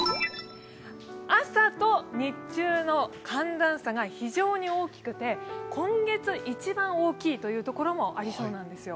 朝と日中の寒暖差が非常に大きくて、今月一番大きいという所もありそうなんですよ。